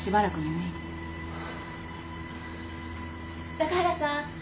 ・中原さん。